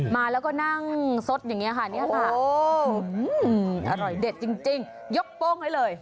มาแล้วก็นั่งซดอย่างนี้ค่ะเนี่ยค่ะอร่อยเด็ดจริงยกโป้งให้เลย